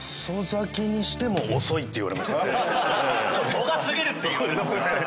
度が過ぎるって言われますね。